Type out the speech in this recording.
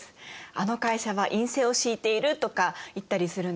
「あの会社は院政を敷いている」とか言ったりするんですよね。